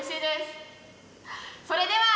それでは！